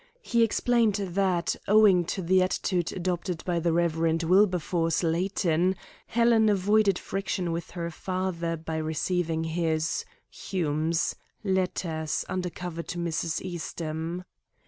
He explained that, owing to the attitude adopted by the Rev. Wilberforce Layton, Helen avoided friction with her father by receiving his (Hume's) letters under cover to Mrs. Eastham.